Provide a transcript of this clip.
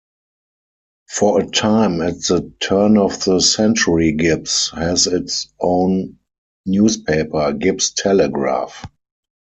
For a time at the turn-of-the-century Gibbs had its own newspaper,"Gibbs Telegraph".